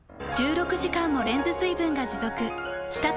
１６時間もレンズ水分が持続。